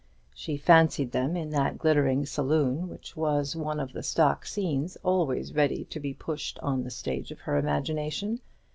She fancied them in that glittering saloon, which was one of the stock scenes always ready to be pushed on the stage of her imagination.